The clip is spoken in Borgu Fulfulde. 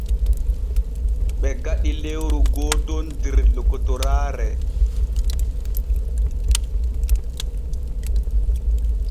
Ɓe gaɗi lewru gooton der lokotoraare.